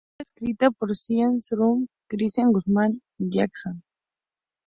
La canción fue escrita por Sia Furler, Christian Guzmán, Jason Moore y Sam Smith.